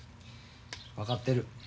分かってる。